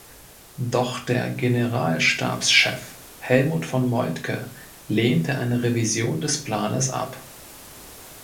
Doch der Generalstabschef Helmuth von Moltke lehnte eine Revision des Planes ab.